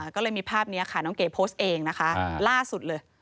ก็เลยมีภาพนี้ค่ะน้องเก๋โพสต์เองนะคะล่าสุดเลย